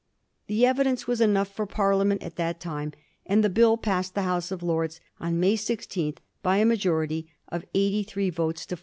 The evi dence was enough for Parliament at that time, and the Bill passed the House of Lords on May 16 by a majority of 83 votes to 43.